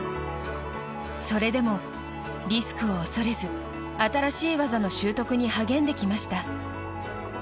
それでも、リスクを恐れず新しい技の習得に励んできました。